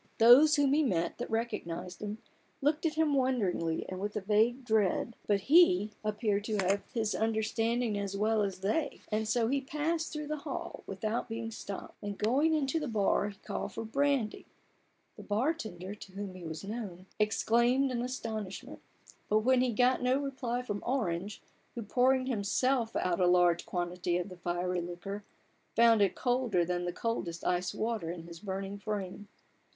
Those whom he met, that recognised him, looked at him wonderingly and with a vague dread ; but he THE BARGAIN OF RUPERT ORANGE. 53 appeared to have his understanding as well as they, and so he passed through the hall without being stopped ; and going into the bar, he called for brandy. The bar tender, to whom he was known, exclaimed in astonish ment ; but he got no reply from Orange, who, pouring himself out a large quantity of the fiery liquor, found it colder than the coldest iced water in his burning frame.